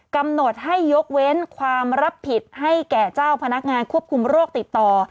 กำหนดให้ยกเว้นความรับผิดให้แก่เจ้าพนักงานควบคุมโรคติดต่อ